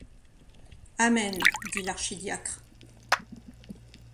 Amen, dit l’archidiacre.